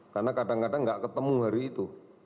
karena kadang kadang tidak ketemu hari itu